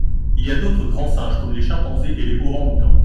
Il y a d’autres grands singes comme les chimpanzés et les orangs-outans.